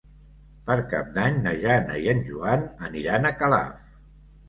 Per Cap d'Any na Jana i en Joan aniran a Calaf.